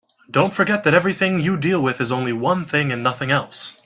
Don't forget that everything you deal with is only one thing and nothing else.